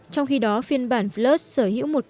trong khi đó phiên bản plus sở hữu một camera ống kính góc rộng